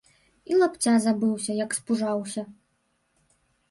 І лапця забыўся, як спужаўся!